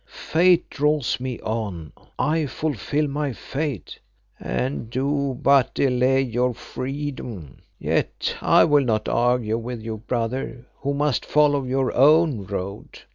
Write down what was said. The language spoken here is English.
Fate draws me on I fulfil my fate " "And do but delay your freedom. Yet I will not argue with you, brother, who must follow your own road.